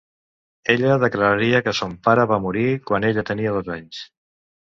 Ella declararia que son pare va morir quan ella tenia dos anys.